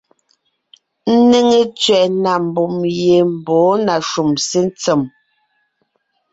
Ńnéŋe tẅɛ̀ na mbùm ye mbɔ̌ na shúm sé ntsèm.